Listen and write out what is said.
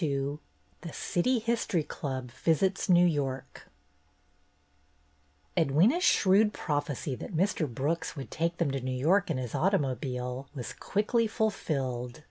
XXII THE CITY HISTORY CLUB VISITS NEW YORK DWYNA'S shrewd prophecy that '*Mr. Brooks would take them to New York in his automobile '' was quickly fulfilled.